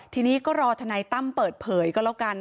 ทีนี้ก็รอทนายตั้มเปิดเผยก็แล้วกัน